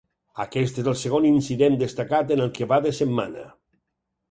Aquest és el segon incident destacat en el que va de setmana.